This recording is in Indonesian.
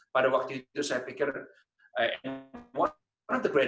pada waktu itu saya pikir